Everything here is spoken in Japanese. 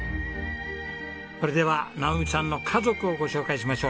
それでは直己さんの家族をご紹介しましょう。